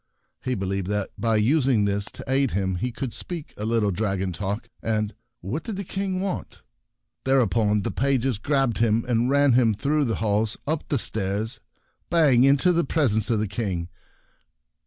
He believed that by using this to aid him he could speak a little dragon talk, and — what did the King want? Thereupon the pages grabbed him, and ran him through the halls, up the stairs, bang into the presence of the King.